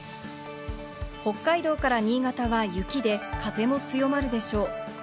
北海道から新潟は雪で風も強まるでしょう。